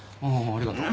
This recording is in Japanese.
ありがとう。